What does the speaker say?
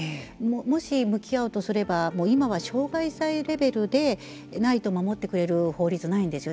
もし向き合うとすれば今は傷害罪レベルでないと守ってくれる法律がないんですよ。